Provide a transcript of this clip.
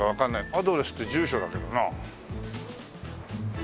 アドレスって住所だけどな。